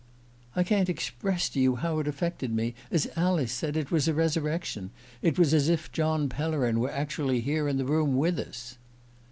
"I can't express to you how it affected me! As Alice said, it was a resurrection it was as if John Pellerin were actually here in the room with us!"